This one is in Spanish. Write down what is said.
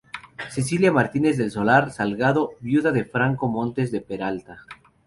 Cecilia Martínez Del Solar Salgado Viuda De Franco Montes De Peralta